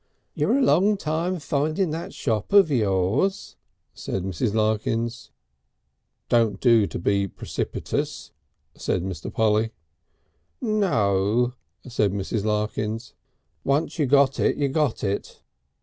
"You're a long time finding that shop of yours," said Mrs. Larkins. "Don't do to be precipitous," said Mr. Polly. "No," said Mrs. Larkins, "once you got it you got it.